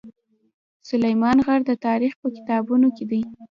سلیمان غر د تاریخ په کتابونو کې دی.